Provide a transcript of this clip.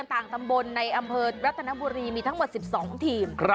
ต่างตำบลในอำเภอรัตนบุรีมีทั้งหมด๑๒ทีม